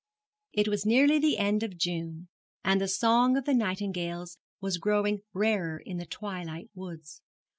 It was nearly the end of June, and the song of the nightingales was growing rarer in the twilight woods.